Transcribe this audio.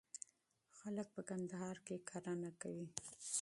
خلک په کندهار کي کرنه کوي.